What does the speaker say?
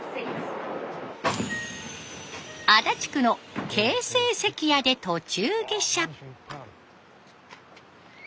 足立区の京成関屋で途中下車。